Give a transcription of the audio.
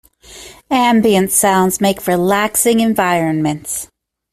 Ambient sounds make relaxing environments.